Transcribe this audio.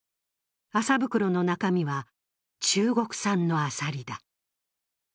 麻袋の中身は、中国産のアサリだ。